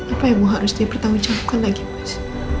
apa yang mau harus dipertahankan bukan lagi mas